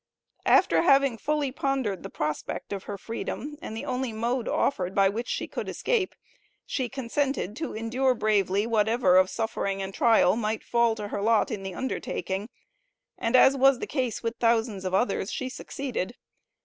After having fully pondered the prospect of her freedom and the only mode offered by which she could escape, she consented to endure bravely whatever of suffering and trial might fall to her lot in the undertaking and as was the case with thousands of others, she succeeded.